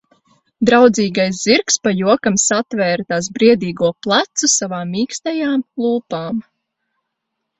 Draudzīgais zirgs pa jokam satvēra tās briedīgo plecu savām mīkstajām lūpām.